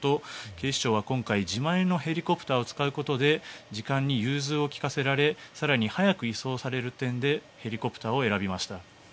警視庁は今回自前のヘリコプターを使うことで時間に融通を利かせられ更に、早く移送される点でヘリコプターを選びました。